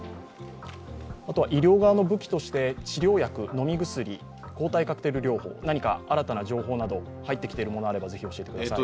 医療側の武器として治療薬、飲み薬、抗体カクテル療法、何か新たな情報など入ってきているものがあればぜひ教えてください。